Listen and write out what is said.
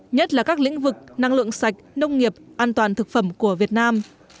nhất là các lĩnh vực năng lượng sạch nông nghiệp an toàn thực phẩm của việt nam